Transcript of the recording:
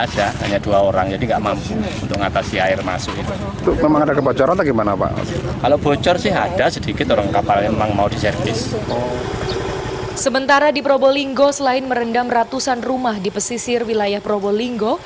sementara di probolinggo selain merendam ratusan rumah di pesisir wilayah probolinggo